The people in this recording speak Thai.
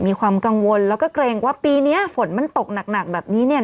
มีความกังวลแล้วก็เกรงว่าปีนี้ฝนมันตกหนักแบบนี้เนี่ย